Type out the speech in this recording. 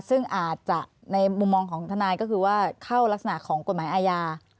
ซึ่งอาจจะในมุมมองของทนายก็คือว่าเข้ารักษณะของกฎหมายอาญา